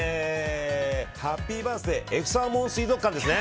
ハッピーバースデーＦサーモン水族館ですね。